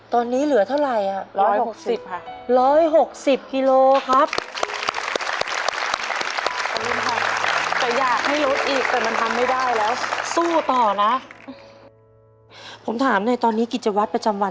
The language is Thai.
ตอนนี้เหลือเท่าไรลด๑๖๐กิโลครับ